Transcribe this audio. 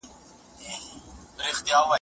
دا هغه کتاب دی چي ما ورپسې لټون کاوه.